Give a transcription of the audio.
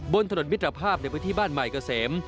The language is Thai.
บนถนนมิตรภาพในพื้นที่บ้านใหม่เกษม